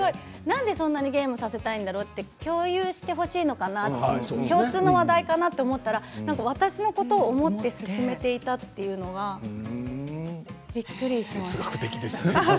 なんでそんなにゲームさせたいんだろうって共有してほしいのかなって共通の話題かなと思ったら私のことを思って勧めていたって哲学的ですね。